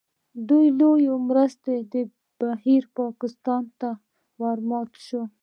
د لویو مرستو بهیر پاکستان ته ورمات شي.